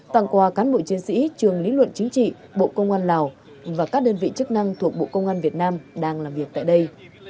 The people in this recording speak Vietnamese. tặng quà cán bộ chiến sĩ trường lý luận chính trị bộ công an lào và các đơn vị chức năng thuộc bộ công an việt nam đang làm việc tại đây